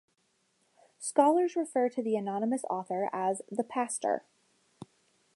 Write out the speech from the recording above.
Scholars refer to the anonymous author as "the Pastor".